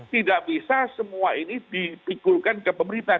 tidak bisa semua ini dipikulkan ke pemerintah